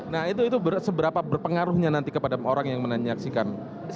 nah itu berapa berpengaruhnya nanti kepada orang yang menanyaksikan hal ini